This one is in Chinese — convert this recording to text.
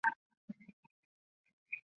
王竹怀生于清朝光绪十二年。